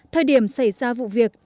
thời điểm xảy ra vụ việc